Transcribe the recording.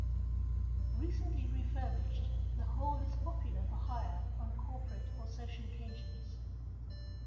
Recently refurbished, the Hall is popular for hire on corporate or social occasions.